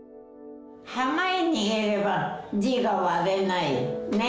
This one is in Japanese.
浜へ逃げれば、地が割れない。